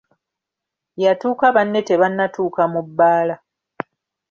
Yatuuka banne tebannatuuka mu bbaala.